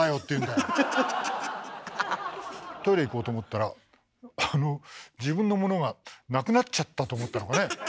トイレ行こうと思ったら自分のものがなくなっちゃったと思ったのかね。